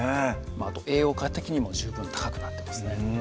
あと栄養価的にも十分高くなってますね